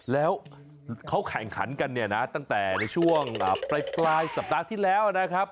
แล้วเขาแข่งขันกันเนี่ยนะตั้งแต่ในช่วงปลายสัปดาห์ที่แล้วนะครับ